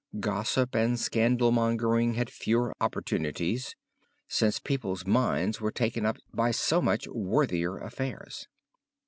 Gossip and scandal mongering had fewer opportunities since people's minds were taken up by so much worthier affairs.